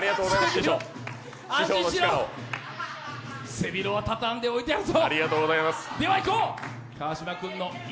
背広は畳んで置いてあるぞ。